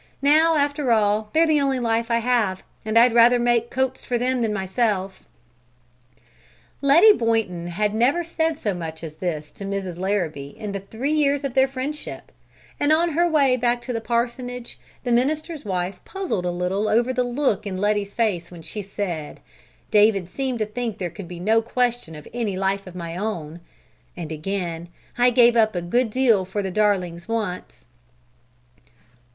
Now, after all, they're the only life I have, and I'd rather make coats for them than for myself." Letty Boynton had never said so much as this to Mrs. Larrabee in the three years of their friendship, and on her way back to the parsonage, the minister's wife puzzled a little over the look in Letty's face when she said, "David seemed to think there could be no question of any life of my own"; and again, "I gave up a good deal for the darlings once!"